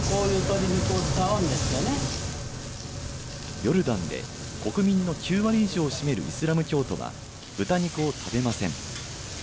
ヨルダンで国民の９割以上を占めるイスラム教徒は豚肉を食べません。